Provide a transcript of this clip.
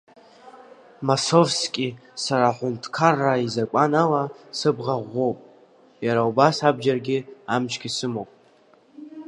Масовски сара аҳәынҭқар изакәан ала сыбӷа ӷәӷәоуп, иара убас абџьаргьы амчгьы сымоуп.